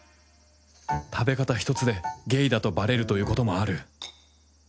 食べ方ひとつでゲイだとバレるということもある